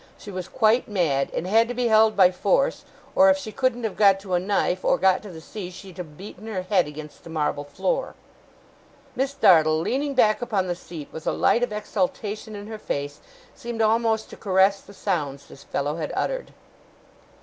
She was quite mad, and had to be held by force; or, if she couldn't have got to a knife, or got to the sea, she'd have beaten her head against the marble floor.' Miss Dartle, leaning back upon the seat, with a light of exultation in her face, seemed almost to caress the sounds this fellow had uttered.